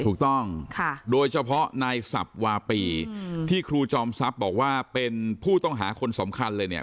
ถูกต้องโดยเฉพาะนายสับวาปีที่ครูจอมทรัพย์บอกว่าเป็นผู้ต้องหาคนสำคัญเลยเนี่ย